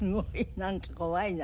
なんか怖いな。